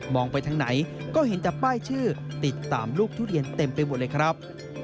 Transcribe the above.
ไปทางไหนก็เห็นแต่ป้ายชื่อติดตามลูกทุเรียนเต็มไปหมดเลยครับ